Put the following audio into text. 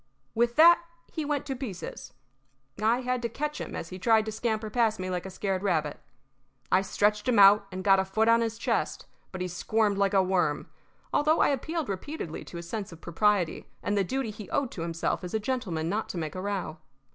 With that he went to pieces. I had to catch him as he tried to scamper past me like a scared rabbit. I stretched him out and got a foot on his chest, but he squirmed like a worm, although I appealed repeatedly to his sense of propriety and the duty he owed to himself as a gentleman not to make a row.